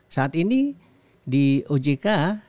saat ini di ojk